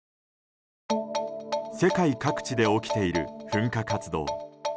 世界各地で起きている噴火活動。